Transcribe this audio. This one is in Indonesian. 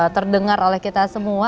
terdengar oleh kita semua